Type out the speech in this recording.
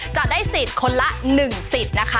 จะได้สิทธิ์คนละ๑สิทธิ์นะคะ